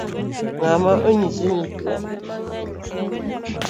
Ng’a ma onyisi ni achwe?